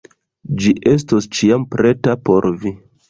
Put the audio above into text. Ĝi estos ĉiam preta por vi.